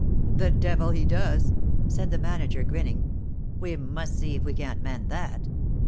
" The devil he does ?" said the manager grinning; " we must see if we can't mend that.